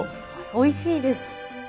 おいしいです。